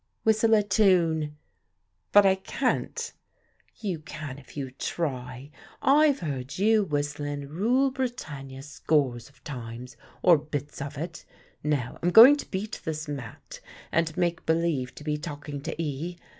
"Whistle a tune." "But I can't." "You can if you try; I've heard you whistlin' 'Rule Britannia' scores of times, or bits of it. Now I'm goin' to beat this mat and make believe to be talkin' to 'ee.